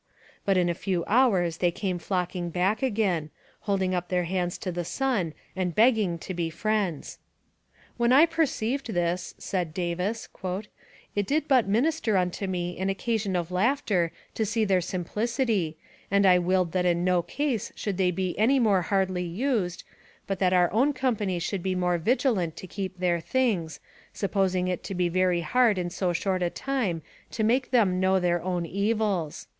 But in a few hours they came flocking back again, holding up their hands to the sun and begging to be friends. 'When I perceived this,' said Davis, 'it did but minister unto me an occasion of laughter to see their simplicity and I willed that in no case should they be any more hardly used, but that our own company should be more vigilant to keep their things, supposing it to be very hard in so short a time to make them know their own evils.'